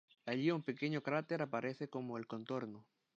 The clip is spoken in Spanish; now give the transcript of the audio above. Allí un pequeño cráter aparece sobre el contorno.